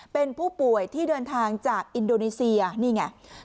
เป็นผู้ป่วยที่เดินทางจากอินโดนีเซียนี่ไง